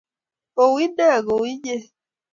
Koi inne kou innye